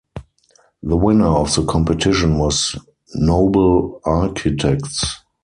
The winner of the competition was Nobel Architects.